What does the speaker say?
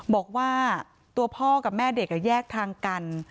บอกว่าตัวพ่อกับแม่เด็กแยกทางกัน